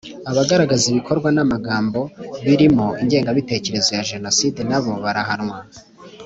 Abagaragaza ibikorwa namagambo birimo ingengabitekerezo ya jenoside nabo barahanwa